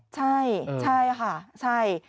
ใช่ค่ะใช่